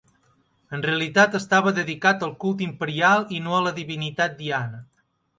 En realitat estava dedicat al culte imperial i no a la divinitat Diana.